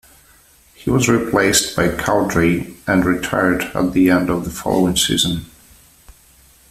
He was replaced by Cowdrey and retired at the end of the following season.